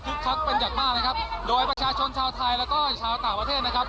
คักเป็นอย่างมากนะครับโดยประชาชนชาวไทยแล้วก็ชาวต่างประเทศนะครับ